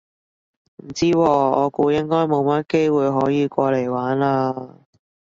唔知喎，我估應該冇乜機會可以過嚟玩嘞